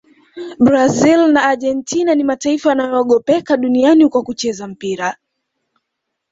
brazil na argentina ni mataifa yanayogopeka duniani kwa kucheza mpira